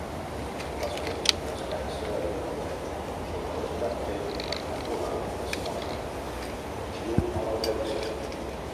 L'escut descansa habitualment sobre un camper rectangular de sinople, al·lusiu a la vegetació.